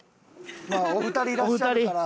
まあお二人いらっしゃるから。